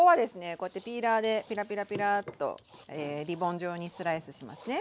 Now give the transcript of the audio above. こうやってピーラーでピラピラピラーッとリボン状にスライスしますね。